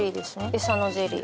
エサのゼリー。